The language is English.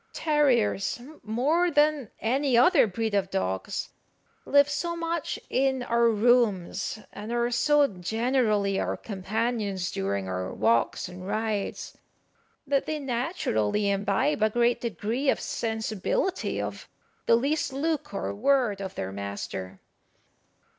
Terriers, more than any other breed of dogs, live so much in our rooms, and are so generally our companions during our walks and rides, that they naturally imbibe a great degree of sensibility of the least look or word of their master.